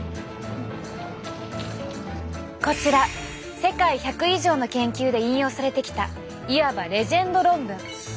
こちら世界１００以上の研究で引用されてきたいわばレジェンド論文。